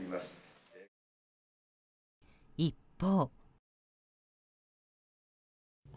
一方。